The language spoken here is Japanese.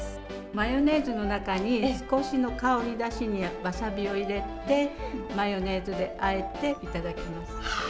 マヨネーズの中に、少しの香り出しにわさびを入れてマヨネーズであえていただきます。